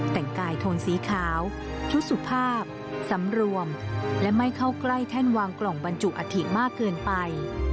แต่งกายโทนสีขาวชุดสุภาพสำรวมและไม่เข้าใกล้แท่นวางกล่องบรรจุอัฐิมากเกินไป